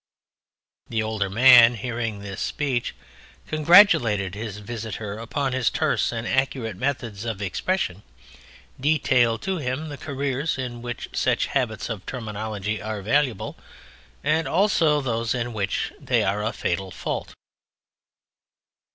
The Older Man, hearing this speech, congratulated his visitor upon his terse and accurate methods of expression, detailed to him the careers in which such habits of terminology are valuable, and also those in which they are a fatal fault.